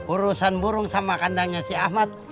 urusan burung sama kandangnya si ahmad